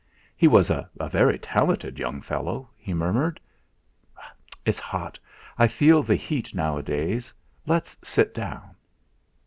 "He was a very talented young fellow," he murmured. "It's hot; I feel the heat nowadays. Let's sit down."